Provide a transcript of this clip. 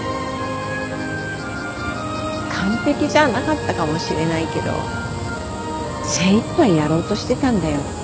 完璧じゃなかったかもしれないけど精いっぱいやろうとしてたんだよ。